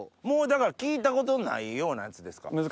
もうだから聞いたことないようなやつですか？